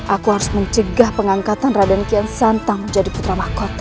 aku harus mencegah pengangkatan raden kiansantang menjadi putra mahkota